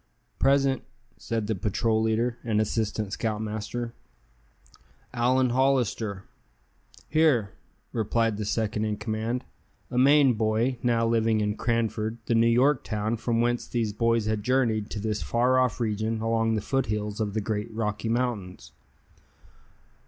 "Present," said the patrol leader, and assistant scoutmaster. "Allan Hollister." "Here," replied the second in command, a Maine boy, now living in Cranford, the New York town from whence these boys had journeyed to this far off region along the foothills of the great Rocky Mountains.